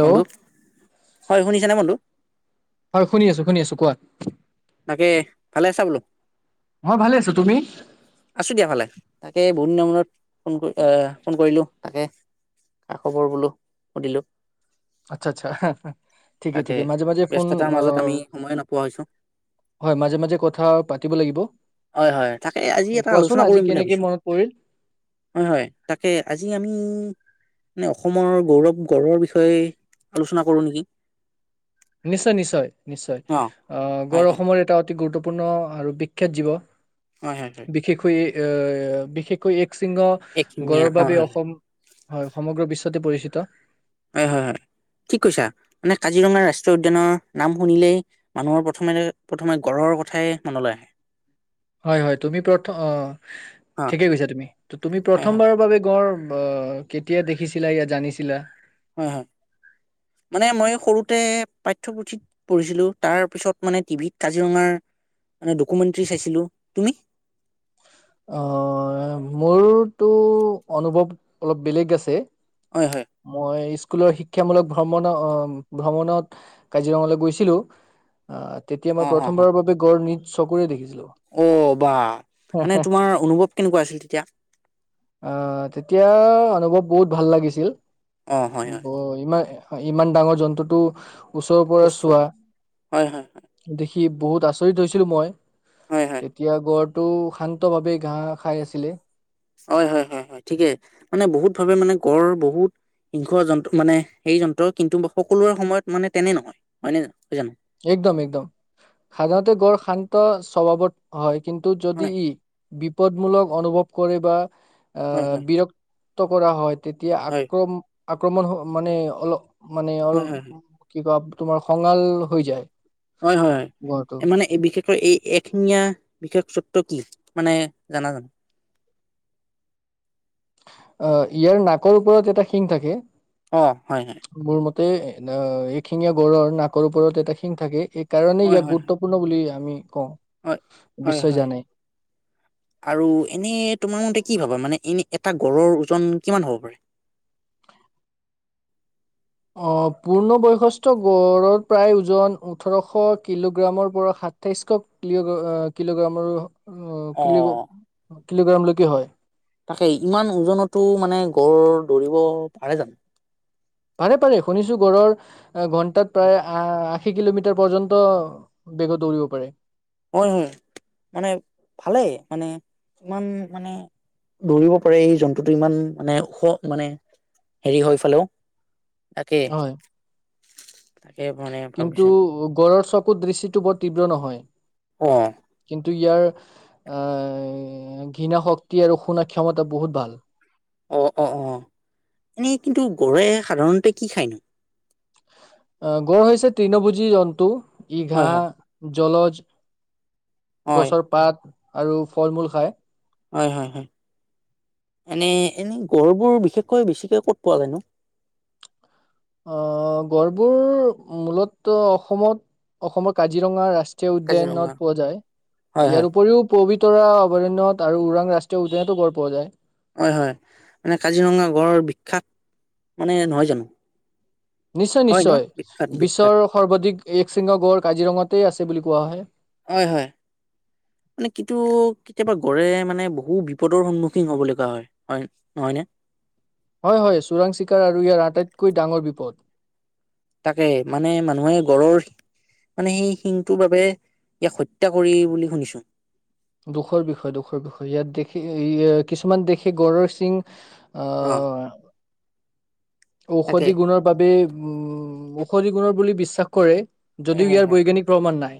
Hello বন্ধু? হয় শুনিছ নে বন্ধু? হয় শুনি আছো, শুনি আছো কোৱা? তাকে ভালে আছা বোলো? মই ভালে আছো তুমি? আছো দিয়া ফালে তাকে বহুত দিনৰ মূৰত ফোন কৰি অঁ ফোন কৰিলো। তাকে খা খবৰ বোলো সুধিলোঁ আচ্ছা আচ্ছা ঠিকে তাকে ঠিকে মাজে মাজে ফোন ব্যস্ততাৰ মাজত আমি সময়ে নোপোৱা হৈছো হয় মাজে মাজে কথা পাতিব লাগিব এ কোৱাচোন আলোচনা আজি কৰিম বুলি কেনেকে ভাবিছো মনত পৰিল হয় হয় তাকে আজি আমি মানে অসমৰ গৌৰৱ গড়ৰ‌ বিষয়ে আলোচনা কৰো নেকি? নিশ্চয় নিশ্চয় নিশ্চয় অ হয় গড় হয় অসমৰ এটা অতি গুৰুত্বপূৰ্ণ আৰু বিখ্যাত জীৱ হয় হয় হয় বিশেষ কৈ এ বিশেষকৈ এক এইখিনিয়ে গড়ৰ হয় বাবে হয় অসম হয় সমগ্ৰ বিশ্ব তাতে পৰিচিত হয় হয় হয় ঠিক কৈছা মানে কাজিৰঙা ৰাষ্ট্ৰীয় উদ্যানৰ নাম শুনিলেই মানুহৰ প্ৰথমে প্ৰথমে গড়ৰ কথাই মনলৈ আহে । হয় হয় তুমি প্ৰথম অ হয় ঠিকেই কৈছা তুমি তুমি হয় হয় প্ৰথমবাৰৰ বাবে গড় ব কেতিয়া দেখিছিলা ইয়া জানিছিলা? হয় হয় মানে মই সৰুতে পাঠ্যপুথিত পঢ়িছিলো তাৰ পিছত মানে টিভিত কাজিৰঙাৰ দকুমনতি চাইছিলো। অ মোৰটো অনুভৱ অলপ বেলেগ আছে । হয় হয় মই স্কুলৰ শিক্ষামূলক ভ্ৰমণ ভ্ৰমণত কাজিৰঙালে গৈছিলোঁ । অ', তেতিয়া অ মই অ অ প্ৰথমবাৰৰ বাবে গনি চকুৰে দেখিছোঁ। অ', বা মানে তোমাৰ অনুভৱ কেনেকুৱা আছিল তেতিয়া? আহ', তেতিয়া অনুভৱ বহুত ভাল লাগিছিল। অ হয় ব হয় ইমান হয় ', ইমান ডাঙৰ জন্তুটো ওচৰ পৰা উচ্চ চোৱা হয় হয় দেখি। কি বহুত আচৰিত হৈছিলো মই? হয় হয় তেতিয়া গৰ টো শান্ত ভাৱে ঘাঁহ খাই আছিলে। হয় - হয় -হয় - হয় ঠিকেই মানে বহুত ভাৱে মানে গড় বহুত সিংহ যন্ত্ৰ মানে হেই যন্ত্ৰ কিন্তু সকলোৰে সময়ত মানে তেনে নহয় হয় নে? একদম -একদম সাধাৰণতে গড় শান্ত ত স্বভাৱত হয়। কিন্তু যদি হয় ই বিপদমূলক অনুভৱ কৰে বা হয় আহ হয় ', বিৰক্ত কৰা হয়। তেতিয়া হয় আক্ৰম। আক্ৰমণ হ ', মানে অলপ মানে অল হয় হয় কি কোৱা? তোমাৰ খঙাল। হৈ যায়। হয়- হয়- হয় গড়টো মানে বিশেষৰ এই এশঙিয়ীয়া বিশেষ চতক কি। মানে জানা জানো? অ', ইয়াৰ নাকৰ ওপৰত এটা শিং থাকে। অ', হয় -হয় এখিঙীয়া গৰৰ ন। ওপৰত এটা শিং থাকে এই কাৰণে হয়, ইয়াক হয়, গুৰুত্বপূৰ্ণ বুলি। উম। হয়- হয় - হয় আৰু এনে তোমাৰ মতে কি ভাবা মানে এনে। এটা গড়ৰ ওজন কিমান হ'ব পাৰে? আহ ', পূৰ্ণবয়সস্থ গড়ৰ প্ৰায় ওজন ওঠৰশ কিলোগ্ৰামৰ পৰা সাতাইছশ ক কিলোগ্ৰামৰ অ', কি অ', কিলোগ্ৰামলৈকে হয়। তাকে, ইমান ওজনতো মানে গঁড় দৌৰিব পাৰে জানো? পাৰে-পাৰে, শুনিছো গঢ়ৰ অ' ঘন্টাত প্ৰায় আ আশী কিলোমিটাৰ পৰ্যন্ত বেগত দৌৰিব পাৰে। হয়-হয়, মানে ভালেই মানে ইমান মানে দৌৰিব পাৰে, এই জন্তুটো ইমান মানে ওখ মানে হেৰি হয় ফালেও। তাকে হয়, তাকে মানে কিন্তু ভাবিছো গড়ৰ চব দৃষ্টিটো বৰ তীব্ৰ নহয়। অ', টো ইয়াৰ আহ ঘৃণা শক্তি আৰু শুনা ক্ষমতা বহুত ভাল। অ-অ-অ, এনেই কিন্তু গড়ে সাধাৰণতে কি খায়নো? আহ, গড় হৈছে তণভুজি জন্তু। ই হয়, ঘাঁ হয়, জলজ হয়, গছৰ পাত, আৰু ফল মূল খায়। হয়-হয় এনে এনে গড়বোৰ বিশেষকৈ বেছিকে ক'ত পোৱা জানো। অ' গড়বোৰ মূলত অসমত, অসমৰ কাজিৰঙা ৰা কাজিৰঙা উদ্যানত পোৱা যায়। হয় হয় ইয়াৰ উপৰিও প তৰা অভৰণ্য আৰু ওৰাং ৰাষ্ট্ৰীয় উদ্যানতো গড় পোৱা যায়। হয়-হয়, মানে কাজিৰঙা গড়ৰ বিখ্যাত মানে নহয় জানো। হয় ন নিশ্চয়-নিশ্চয়, বিখ্যাত বিখ্যাত বিশ্বৰ সৰ্বাধিক এক শৃংগ গড় কাজিৰঙাত তেই আছে বুলি কোৱা হয়। হয় হয়, মানে কিটো কেতিয়াবা গড়ে মানে বহু বিপদৰ সন্মুখীন হ'ব লগা হয় হয়, নহয় নে। হয় হয় চোৰাং চিকাৰ আৰু ইয়াৰ আটাইতকৈ ডাঙৰ বিপদ তাকে, মানে মানুহে গড়ৰ মানে সেই শিংটোৰ বাবে ইয়াক হত্যা কৰি বুলি শুনিছোঁ। দুখৰ বিষয়, দুখৰ বিষয়, ইয়াত দেখি হেই কিছুমান দেশি গড়ৰ সিং অ, তাকে ঔষধি গুণৰ বাবে উ ঔষধি গুণৰ বুলি বিশ্বাস কৰে। এই যদিও হে ইয়াৰ হে বৈজ্ঞানিক প্ৰমাণ নাই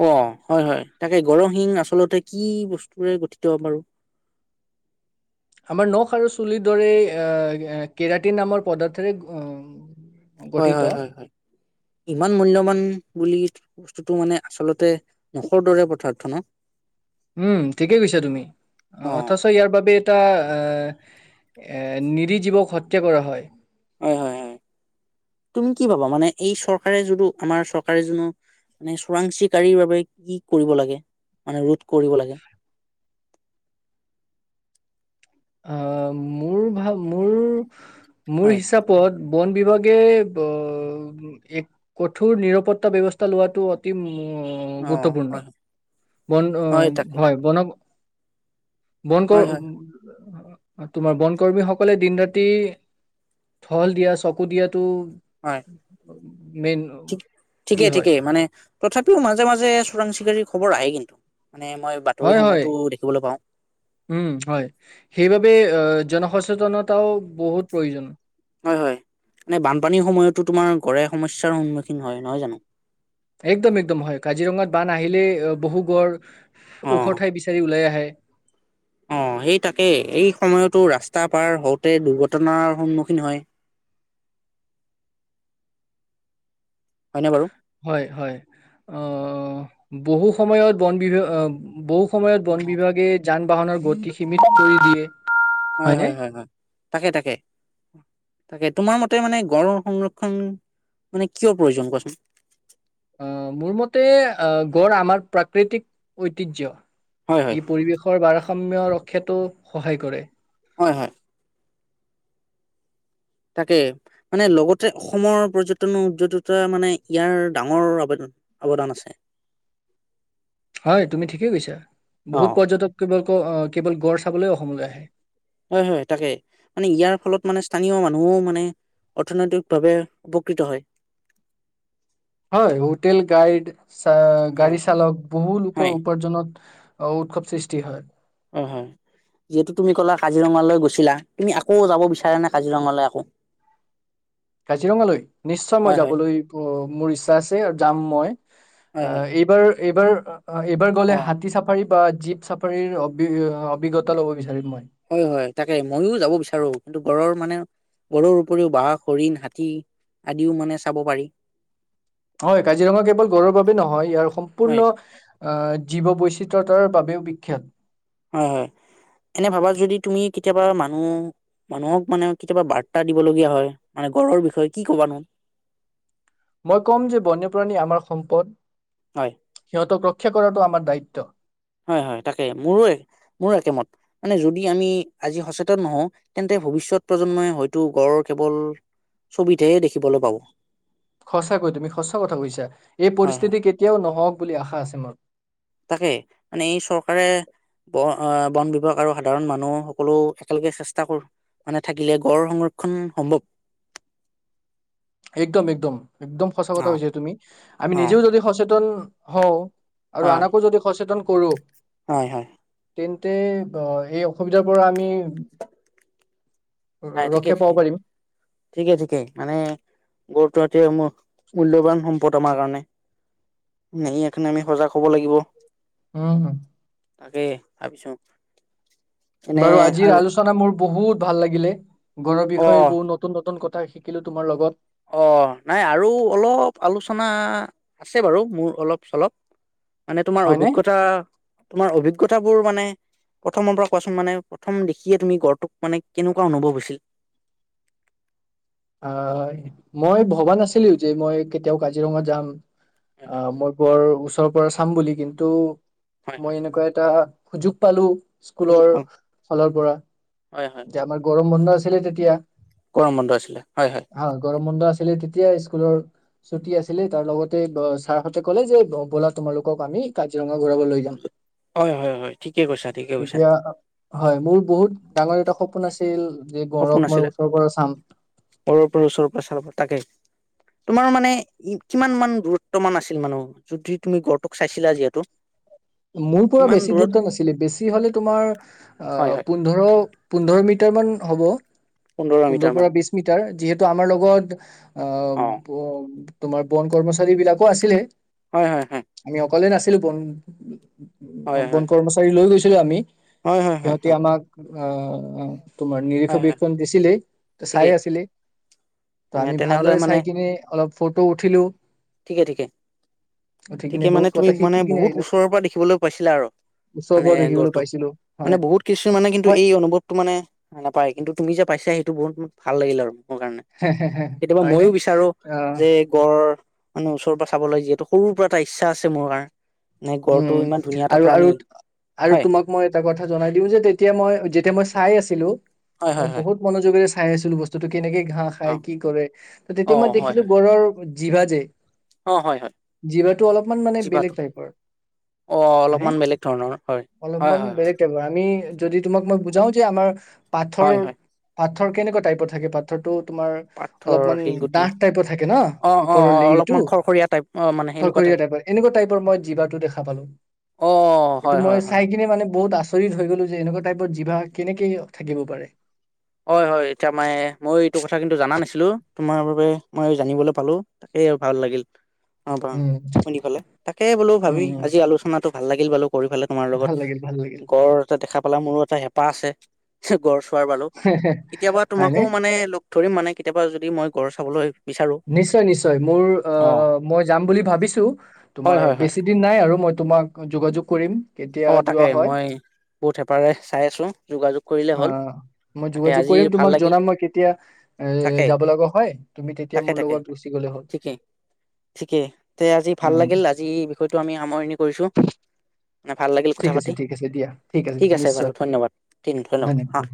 অ' হয় হয় তাকে গড়ৰ শিং আচলতে কি বস্তুৰে গঠিত বাৰু আমাৰ নখ আৰু চুলিৰ দৰে এ কেৰাটিন নামৰ পদাৰ্থৰে উম হয় হয় হয় হয়, ইমান মূল্যবান বুলি বস্তুটো মানে আচলতে নখৰ দৰে পদাৰ্থ ন। উম, ঠিকেই কৈছা তুমি অ' অথচ ইয়াৰ বাবে এটা আহ, এ নিৰি জীৱক হত্যা কৰা হয়। হয় হয় হয়, তুমি কি ভাবা মানে এই চৰকাৰে যদিটো আমাৰ চৰকাৰে যোনো মানে চোৰাংচিকীৰ বাবে কি কৰিব লাগে মানে ৰোধ কৰিব লাগে। অ মোৰ ভাৱ মোৰ মোৰ হয় হিচাপত বন বিভাগে, এক কঠোৰ নিৰাপত্তা ব্যৱস্থা লোৱাটো অতি উ অ গুৰুত্বপূৰ্ণ হয় বন হয় তাকে হয় বন বন্ হয় হয় কৰ তোমাৰ বন কৰ্মী সকলে দিন ৰাতি থহল দিয়া চকু দিয়াত হয় টো মেইন ঠিক কি ঠিকেই হয় ঠিকেই মানে তথাপিও মাজে মাজে চোৰাং চিকাৰীৰ খবৰ আহে কিন্তু মানে মই হয় হয় বাতৰিসমূহতো দেখিবলৈ পাওঁ উম হয় সেইবাবে এ জন সচ সচেতনতাও বহুত প্ৰয়োজন হয় হয় মানে বানপানীৰ সময়তো তোমাৰ গড়ে সমস্যাৰ সন্মুখীন হয় নহয় জানো একদম একদম হয় কাজিৰঙাত বান আহিলেই বহু গড় ওখ অ ঠাই বিচাৰি ওলাই আহে অ সেই তাকেই এই সময়তো ৰাস্তা পাৰ হওঁ তে দুৰ্ঘটনাৰ সন্মুখীন হয় হয়নে বাৰু হয় হয় অহ বহু সময়ত বন বিভা অ বৌ সময়ত অ বন বিভাগে যান বাহনৰ গতি সীমিত কৰি দিয়ে হয় হয়নে? হয় হয় হয় তাকে তাকে তাকে তোমাৰ মতে মানে গড়ৰ সংৰক্ষণ মানে কিয় প্ৰয়োজন কোৱাচোন অ' মোৰ মতে আহ, গড় আমাৰ প্ৰাকৃতিক ঐতিহ্য হয় হয় ই পৰিৱেশৰ বাৰ সম্য ৰক্ষা টো সহায় কৰে । হয় হয়। তাকে মানে লগতে অসমৰ পৰ্যটন উদ্যদতা মানে ইয়াৰ ডাঙৰ অবদা অৱদান আছে হয় তুমি ঠিকেই কৈছা, অ বহুত পৰ্যটক কেৱল ক অ । কেৱল গড় চাবলৈও অসমলৈ আহে হয় হয় তাকে মানে ইয়াৰ ফলত মানে স্থানীয় মানুহো মানে অৰ্থনৈতিক ভাৱে উপকৃত হয়। হয় হোটেল গাইড চ অ গাড়ী চালক বহু হয় লোকৰ উপাৰ্জনত অ উৎসৱ সৃষ্টি হয়। অ হয় যিহেতু তুমি কলা কাজিৰঙালৈ গৈছিলা তুমি আকৌ যাব বিচাৰা নে কাজিৰঙালৈ আকৌ । কাজিৰঙালৈ নিশ্চয় মই যাবলৈ মোৰ ইচ্ছা আছে আৰু যাম মই হয় হয় আহ এইবাৰ এইবাৰ । অ এইবাৰ অ গ'লে হাতী চাফাৰী বা জীপ চাফাৰীৰ অভিজ্ঞতা ল'ব বিচাৰিম মই । হয় হয় তাকে মইয়ো যাব বিচাৰো, কিন্তু গড়ৰ মানে গড়ৰ উপৰিও বাঘ হৰিণ হাতী আদিও মানে চাব পাৰি । হয় কাজিৰঙা কেৱল গড়ৰ বাবে নহয় ইয়াৰ হয় সম্পূৰ্ণ আহ জীৱ বৈচিত্ৰতাৰ বাবেও বিখ্যাত । হয় হয় এনে ভাবা যদি তুমি কেতিয়াবা মানুহ মানুহক মানে কেতিয়াবা বাৰ্তা দিবলগীয়া হয় মানে গড়ৰ বিষয়ে কি ক'বানো। মই ক'ম যে বন্যপ্ৰাণী আমাৰ সম্পদ হয় সিহঁতক ৰ। ৰক্ষা কৰাটো আমাৰ দায়িত্ব। হয় হয় তাকে মোৰো মোৰো একেমত মানে যদি আমি আজি সচেতন নহওঁ তেন্তে ভৱিষ্যত প্ৰজন্মই হয়তো গড়ৰ কেৱল ছবিতহে দেখিবলৈ পাব । সঁচাকৈ তুমি সচা কথা কৈছা এই হয় পৰিস্থিতি কেতিয়াও নহওক। বুলি আশা আছে মোৰ । তাকে মানে এই চৰকাৰে ব বন বিভাগ আৰু সাধাৰণ মানুহ সকলো একেলগে চেষ্টা মানে থাকিলে গড় সংৰক্ষণ সম্ভৱ। একদম এক্দম একদম সঁচা কথা অ কৈ হৈছে তুমি আমি অ নিজেও যদি সচেতন হওঁ আৰু হয় আনকো যদি সচেতন কৰো হয় হয় । তেন্তে এই অসুবিধাৰ পৰা আমি। নাই ঠিকেই ৰক্ষা পাব ঠিকেই পাৰিম ঠিকেই ঠিকেই মানে। গড়টো সেইটো মূল্যবান সম্পদ আমাৰ কাৰণে ই সেই কাৰণে আমি সজাগ হব লাগিব। উম হম। তাকে ভাবিছো। এনে বাৰু আজিৰ আৰু আলোচনা মোৰ বহুত। ভাল লাগিলে। গড়ৰ অ বিষয়ে বহু নতুন নতুন কথা [unintelligible] শিকিলো তোমাৰ লগত। অ নাই আৰু অলপ আলোচনা আছে বাৰু মোৰ অলপ চলপ। মানে তোমাৰ হয়নে অভিজ্ঞতা তোমাৰ অভিজ্ঞত কথাবোৰ মানে প্ৰথমৰ পৰা কোৱাচোন মানে প্ৰথম দেখিয়ে তুমি গড়টোক মানে কেনেকুৱা অনুভৱ হৈছিল? অ হয় মই ভবা নাছিলো যে মই কেতিয়াও কাজিৰঙা যাম। হয় অ হয়। মই বৰ ওচ তাৰ পৰা চাম বুলি কিন্তু। হয় মই হয় এনেকুৱা এটা সুযোগ পালোঁ। সুযোগ স্কুলৰ পাম ফালৰ পৰা। হয় হয় যে হয় আমাৰ গৰম বন্ধ আছে ছিলে তেতিয়া। গৰম বন্ধ আছিলে হয় হয়। আছিল তেতিয়া স্কুলৰ ছুটি আছিলে তাৰ লগতে ছাৰহঁতে ক'লে যে ব'লা তোমালোকক আমি কাজিৰঙা ঘূৰাব লৈ যাম। হয় হয় হয় ঠিকে কৈছা ঠিকে কৈছা। তেতিয়া হয় মোৰ বহুত এটা সপোন আছিল। যে গড়ক সপোন মই আছিলে, ওচৰৰ পৰা চাম সৰুৰ পৰা ওচৰৰ পৰা চাব পাম, তাকে। তোমাৰ মানে কিমান মান দূৰত্ব মান আছিল মানুহ যদি তুমি গড়টোক চাইছিলা যিহেতু। মোৰ পৰা কিমান বেছি দূৰত দুৰত্ব নাছিলে, বেছি হলে তোমাৰ হয় অহ হয় পোন্ধৰ পোন্ধৰ মি টাৰমান হ'ব। পোন্ধৰ মিটাৰ মান পৰা বিছমিটাৰ যিহেতু আমাৰ লগত আ অ ব তোমাৰ বন কৰ্মচাৰী বিলাকো আছিলে। হয় হয় হয়। লে নাছিলো বন [unintelligible] অ হয় বন হয় কৰ্মচাৰী লৈ গৈছ ছিল আমি। হয় হয় হয় সিহঁতি হয় আমাক অ অ অ। তোমাৰ নিৰীক্ষণ হয় হয় বিৰিক্ষন দিছিলেই ত ঠিকেই চাইয়ে আছিলে ত মানে আমি তেনেহলে ভালদৰে মানে চাই কিনে অলপ ফটো উঠিলোঁ ঠিকে ঠিকে, কিনে ঠিকে মানে বহুত তুমি কথা মানে শিকি কিনে বহুত আহিলো উচ ওচৰৰ পৰা দেখিবলৈ পাইছিলা আৰু ওচৰৰ মানে পৰা দেখিবলৈ গড়টো, পাইছিলো মানে হয় বহুত কিছু মানে কিন্তু মই এই অনুভৱটো মানে নাপ পাই কিন্তু তুমি যে পাইছা সেইটো বহুত ভাল লাগিল আৰু। কাৰণে কেতিয়াবা হয়নে ময়ো বিচাৰো অ যে গড় ওচৰ চাবলৈ যিহেতু সৰুৰ পৰা এটা ইচ্ছা আছে মোৰ। মানে গড়টো উম ইমান ধুনীয়া এটা আৰু প্ৰাণী আৰু আৰু হয় তোমাক মই এটা কথা জনাই দিওঁ যে তেতিয়া মই যে। এতিয়া মই চাই আছিলোঁ। হয় হয় মই হয় বহুত মনোযোগৰে খাই আছিলোঁ বস্তুটো। কেনেকে ঘাঁহ অ খাই কি কৰে। ত অ তেতিয়া মই হয় দেখিলোঁ হয় গড়ৰ জিভা যে অ হয় হয় জিভাটো অলপমান মানে বেলেগ জিভাটো টাইপৰ। অ হয়নে অলপমান বেলেগ ধৰণৰ হয় হয় অলপমান হয় হয় বেলেগ টাইপৰ আমি যদি তোমাক ম। বুজাও যে আমাৰ পাথৰ হয় হয় পাথ পাথৰ কেনেকা টাইপত থাকে পাথৰটো। তোমাৰ পাথৰ অলপমান শিলগুটি দাঠ টাইপৰ থাকে ন অ অ ওপৰৰ অ লেইটো অলপমান খৰখৰীয়া টাইপ অ মানে সেনেকুৱা খৰখৰীয়া টাইপ টাইপৰ এনেকুৱা টাইপৰ মই জীৱা খাই পালোঁ অ হয় এইটো হয় মই হয় চাই কিনে মানে বহুত আচৰিত হৈ গ'লো যে এনেকুৱা টাইপৰ জিভা কেনেকে থাকিব পাৰে। হয় হয় এতিয়া মানে মই এইটো কথা কিন্তু জাননা নাছিলোঁ তোমাৰ বাবে মই জানিবলৈ পালোঁ তাকেই আৰু ভাল লাগিল। অ প উম শুনি পালে তাকে বোলো উম ভাবি উম, আজি আলোচনাতোক। ভাল লাগিল বালু কৰি ফালে তোমাৰ লগত ভাল লাগিল ভাল লাগিল গড় এটা দেখা গ'লা মোৰো এটা হেঁপাহ আছে গড় চোৱাৰ বাৰু কেতিয়াবা তোমাকো হয়নে মানে ধৰিম মানে কেতিয়াবা যদি মই গড়ৰ চাবলৈ বিচাৰো নিশ্চয় নিশ্চয় মোৰ অ আহ মই যাম বুলি ভাবিছোঁ হয় তোমাৰ হয় হয় বেছি দিন নাই আৰু মই। তোমাক যোগাযোগ কৰিম। কেতিয়া অ তাকে যোৱা হয় মই বহুত হেপাৰে চাই আছোঁ যোগাযোগ কৰিলে হ'ল আহ মই তাকে যোগাযোগ আজি কৰিম ভাল তোমাক লাগিল জনাম মই কেতিয়া এ তাকে যাব লগা হয় তুমি তেতিয়া তাকে মোৰ তাকে লগত গুচি গ'লে হ'ল ঠিকেই ঠিকেই তে আজি উ। ভাল লাগিল আজি বিষয়টো আমি সামৰণি কৰিছো মানে ভাল লাগিল কথা ঠিক আছে পাতি ঠিক আছে দিয়া ঠিক আছে বাৰু নিশ্চয় ধন্যবাদ দিম অ ধন্যবাদ।